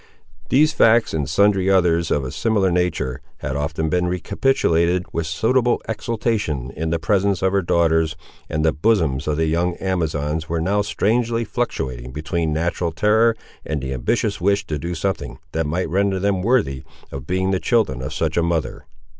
These facts, and sundry others of a similar nature, had often been recapitulated with suitable exultation in the presence of her daughters, and the bosoms of the young Amazons were now strangely fluctuating between natural terror and the ambitious wish to do something that might render them worthy of being the children of such a mother.